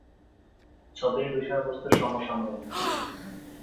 ছবির বিষয়বস্তু সমসাময়িক।